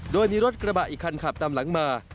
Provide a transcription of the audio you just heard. โดยมีรถกระบะอีกคันขับตามหลังมา